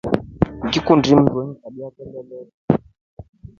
Ngikundi mndu alingikabia kelele fo.